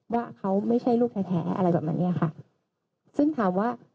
ว่าเขาไม่ใช่ลูกแท้แท้อะไรแบบเนี้ยค่ะซึ่งถามว่า